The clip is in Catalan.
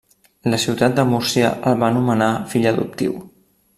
La ciutat de Múrcia el va nomenar Fill Adoptiu.